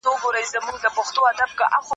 زده کوونکي په مختلفو لارو معلومات اخلي.